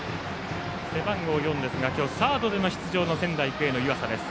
背番号４ですがサードでの出場の仙台育英の湯浅です。